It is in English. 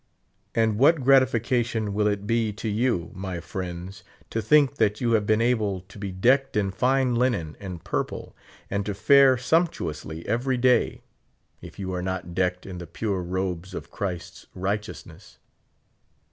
And what gratification will it will be to you, mv friends, to think that you have been able to be decked in fine linen and purple, and to fare sumptuousl}' every day. if you are not decked in the pure robes of Christ's righteousness